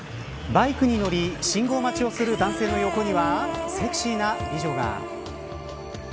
バイクに乗り信号待ちをする男性の横にはセクシーな美女が。